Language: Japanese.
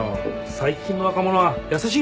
最近の若者は優しいな。